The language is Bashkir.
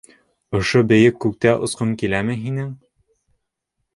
— Ошо бейек күктә осҡоң киләме һинең?